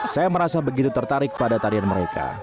saya merasa begitu tertarik pada tarian mereka